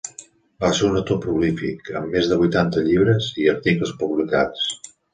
Va ser un autor prolífic, amb més de vuitanta llibres i articles publicats.